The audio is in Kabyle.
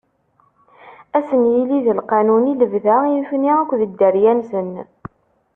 Ad sen-yili d lqanun i lebda i nutni akked dderya-nsen.